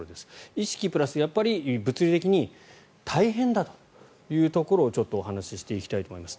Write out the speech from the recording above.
意識プラス、やっぱり物理的に大変だというところをちょっとお話していきたいと思います。